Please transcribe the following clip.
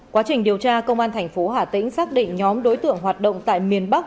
quá trình điều tra công an tp hà tĩnh xác định nhóm đối tượng hoạt động tại miền bắc